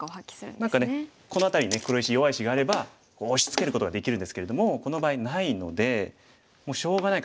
何かねこの辺りに黒石弱い石があれば押しつけることができるんですけれどもこの場合ないのでもうしょうがないから囲うしかない。